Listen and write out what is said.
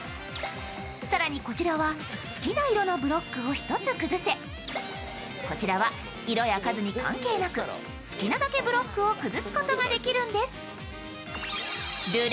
更にこちらは、好きな色のブロックを１つ崩せこちらは色や数に関係なく好きなだけブロックを崩すことができるんです。